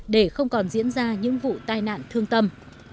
để không còn diễn ra những vụ tai nạn thương tâm